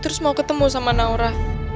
terus mau ketemu sama naura